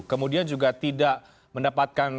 kemudian juga tidak mendapatkan